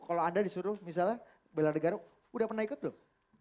kalau anda disuruh misalnya bela negara udah pernah ikut belum